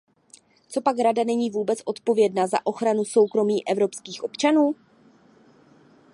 Copak Rada není vůbec odpovědna za ochranu soukromí evropských občanů?